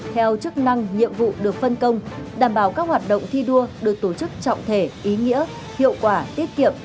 theo chức năng nhiệm vụ được phân công đảm bảo các hoạt động thi đua được tổ chức trọng thể ý nghĩa hiệu quả tiết kiệm